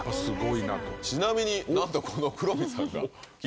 ちなみになんとこの黒見さんが。